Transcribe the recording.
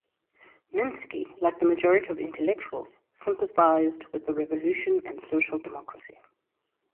Minsky, like the majority of intellectuals, sympathized with the revolution and social democracy.